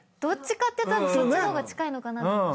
どっちかっていうとそっちの方が近いのかなって。